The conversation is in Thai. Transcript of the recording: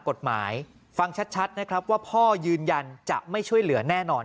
กฎหมายฟังชัดนะครับว่าพ่อยืนยันจะไม่ช่วยเหลือแน่นอน